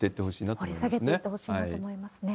掘り下げていってほしいなと思いますね。